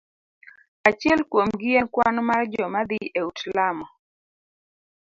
Achiel kuom gi en kwan mar joma dhi e ut lamo.